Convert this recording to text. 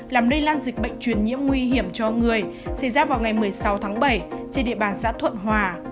làm lây lan dịch bệnh truyền nhiễm nguy hiểm cho người xây dắt vào ngày một mươi sáu bảy trên địa bàn xã thuận hòa